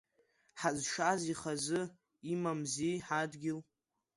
Ҳазшаз ихазы имамзи ҳадгьыл?